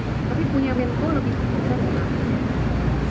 tapi punya bentuk lebih kecil